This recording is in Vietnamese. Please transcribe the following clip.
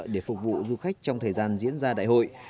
để phục vụ du khách trong thời gian diễn ra đại hội